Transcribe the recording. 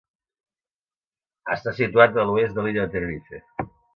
Està situat a l'oest de l'illa de Tenerife.